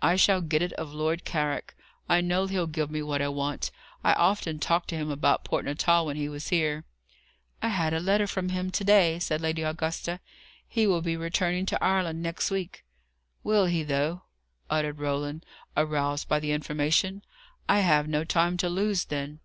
"I shall get it of Lord Carrick. I know he'll give me what I want. I often talked to him about Port Natal when he was here." "I had a letter from him to day," said Lady Augusta. "He will be returning to Ireland next week." "Will he, though?" uttered Roland, aroused by the information. "I have no time to lose, then."